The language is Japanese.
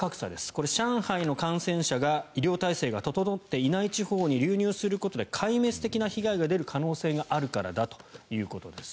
これは上海の感染者が医療体制が整っていない地方に流入することで壊滅的な被害が出る可能性があるからだということです。